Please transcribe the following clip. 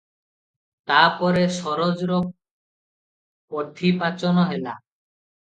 ତା ପରେ ସରୋଜର ପଥି ପାଚନ ହେଲା ।